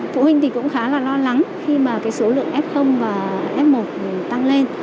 phụ huynh thì cũng khá là lo lắng khi mà cái số lượng f và f một tăng lên